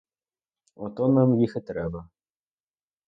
Ото нам їх і треба!